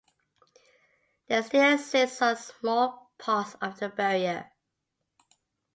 There still exists some small parts of that barrier.